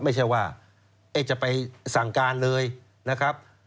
ไม่ใช่ว่าจะไปสั่งการเลยนะครับ